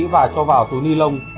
và cho vào túi ni lông